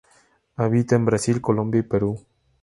Habita en Brasil, Colombia y Perú.